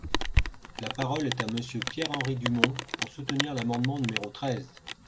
La parole est à Monsieur Pierre-Henri Dumont, pour soutenir l’amendement numéro treize.